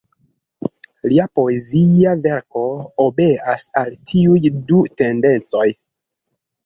Lia poezia verko obeas al tiuj du tendencoj.